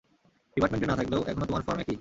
ডিপার্টমেন্টে না থাকলেও এখনো তোমার ফর্ম একই।